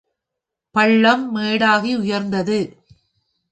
பள்ளம் மேடாகி உயர்ந்தது.